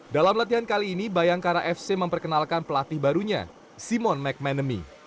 dalam latihan kali ini bayangkara fc memperkenalkan pelatih barunya simon mcmanamy